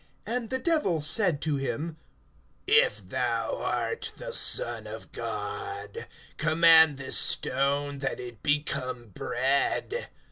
(3)And the Devil said to him: If thou art the Son of God, command this stone that it become bread.